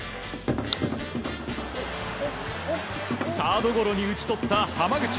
サードゴロに打ち取った濱口。